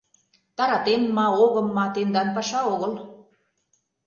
Таратем ма, огым ма, тендан паша огыл.